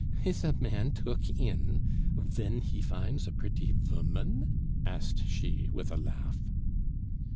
"Is a man took in ven he finds a pretty voman?" asked she, with a laugh.